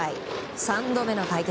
３度目の対決。